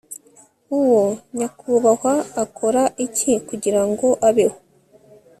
Uwo nyakubahwa akora iki kugirango abeho